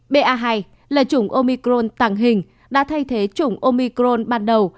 ba hai là chủng omicron tàng hình đã thay thế chủng omicron ban đầu